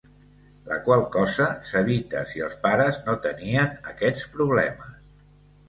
La qual cosa s'evita si els pares no tenien aquests problemes.